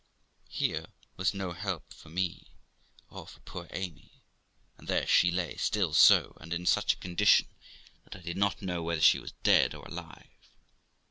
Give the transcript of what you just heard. Here was no help for me, or for poor Amy, and there she lay still BO, and in such a condition, that I did not know whether she was dead or alive.